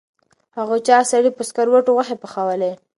هغه چاغ سړي په سکروټو غوښې پخولې.